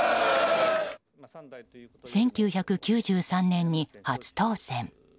１９９３年に初当選。